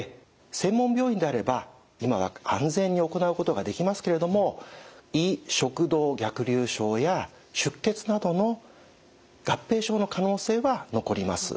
専門病院であれば今は安全に行うことができますけれども胃食道逆流症や出血などの合併症の可能性は残ります。